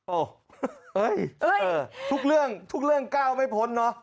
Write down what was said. โอ้ยทุกเรื่องก้าวไม่พ้นเนอะ